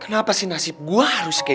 kenapa sih nasib gue harus kayak